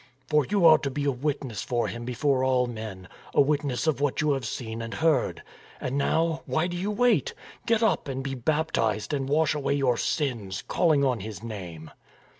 For you are to be a witness for Him before all men, a witness of what you have seen and heard. And now, why do you wait? Get up and be baptized and wash away your sins, calling on His name.'